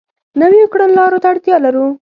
نویو کړنلارو ته اړتیا لرو.